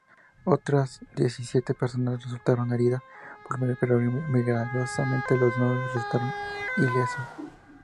Otras diecisiete personas resultaron heridas, pero milagrosamente los novios resultaron ilesos.